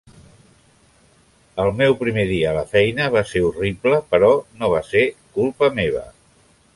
El meu primer dia a la feina va ser horrible, però no va ser culpa meva